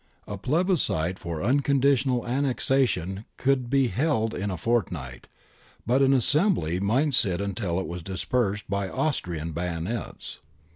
A plebiscite for unconditional annexation could be held in a fortnight, but an assembly might sit until it was dispersed by Austrian bayonets.